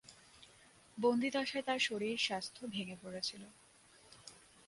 বন্দিদশায় তার শরীর স্বাস্থ্য ভেঙ্গে পড়েছিল।